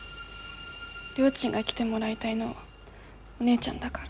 りょーちんが来てもらいたいのはお姉ちゃんだから。